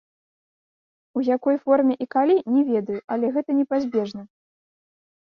У якой форме і калі, не ведаю, але гэта непазбежна.